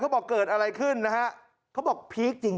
บอกเกิดอะไรขึ้นนะฮะเขาบอกพีคจริง